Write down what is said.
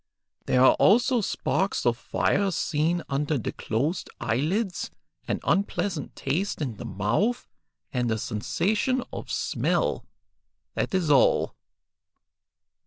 There are also sparks of fire seen under the closed eyelids, an unpleasant taste in the mouth, and a sensation of smell; that is all."